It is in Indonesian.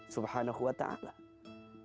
siksa api nerakanya allah swt